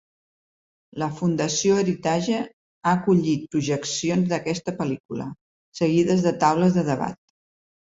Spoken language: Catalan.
La Fundació Heritage ha acollit projeccions d'aquesta pel·lícula, seguides de taules de debat.